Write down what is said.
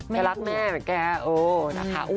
แกรักแม่แบบแก